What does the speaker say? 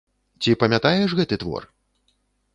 Ці памятаеш гэты твор?